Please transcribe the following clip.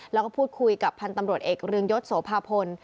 แล้วก็พูดคุยกับพันธ์ตำรวจเอกเรืองยศโสภาพล